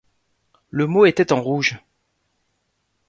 Le mot était en rouge.